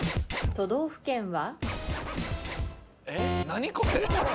都道府県は？